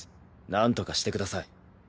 なんとかしてください。